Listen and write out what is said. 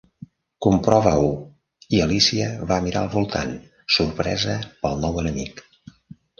"Comprova-ho!" i Alícia va mirar al voltant sorpresa pel nou enemic.